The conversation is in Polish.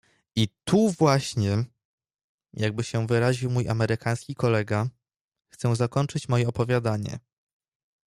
"I „tu właśnie“, jakby się wyraził mój amerykański kolega, chcę zakończyć moje opowiadanie."